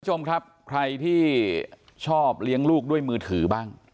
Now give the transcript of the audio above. คุณผู้ชมครับใครที่ชอบเลี้ยงลูกด้วยมือถือบ้าง